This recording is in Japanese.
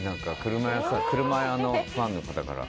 車屋のファンの方から。